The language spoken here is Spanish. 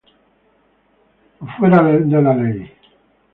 The Outlaws".